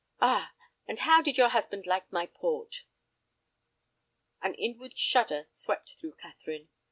Ah, and how did your husband like my port?" An inward shudder swept through Catherine.